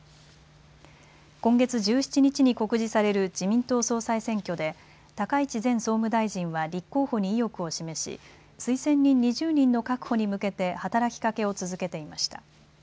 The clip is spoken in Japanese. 今月１７日に告示される自民党総裁選挙で高市前総務大臣は立候補に意欲を示し推薦人２０人の確保に向けて働きかけを続けていました。